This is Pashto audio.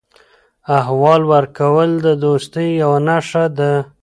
احوال ورکول د دوستۍ یوه نښه ده.